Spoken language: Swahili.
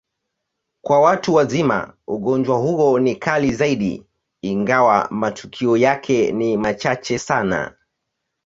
Kwa watu wazima, ugonjwa huo ni kali zaidi, ingawa matukio yake ni machache sana.